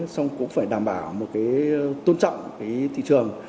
xong cũng phải đảm bảo tôn trọng thị trường